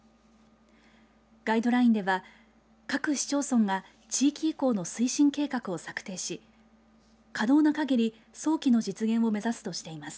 ガイドラインでは各市町村が地域移行の推進計画を策定し可能な限り早期の実現を目指すとしています。